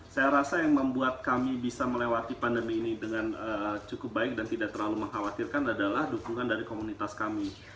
saya rasa yang membuat kami bisa melewati pandemi ini dengan cukup baik dan tidak terlalu mengkhawatirkan adalah dukungan dari komunitas kami